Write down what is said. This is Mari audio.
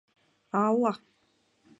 — Алла!